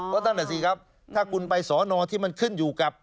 ก็นั่นแหละสิครับถ้าคุณไปสอนอที่มันขึ้นอยู่กับ